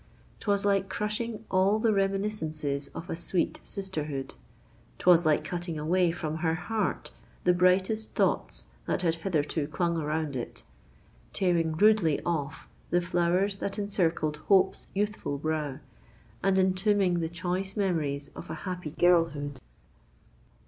'Twas like crushing all the reminiscences of a sweet sisterhood,—'twas like cutting away from her heart the brightest thoughts that had hitherto clung around it—tearing rudely off the flowers that encircled Hope's youthful brow, and entombing the choice memories of a happy girlhood!